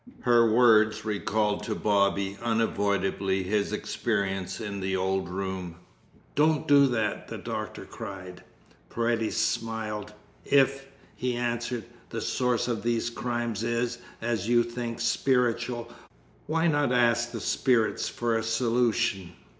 Her words recalled to Bobby unavoidably his experience in the old room. "Don't do that!" the doctor cried. Paredes smiled. "If," he answered, "the source of these crimes is, as you think, spiritual, why not ask the spirits for a solution?